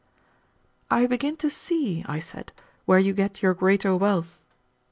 "I begin to see," I said, "where you get your greater wealth."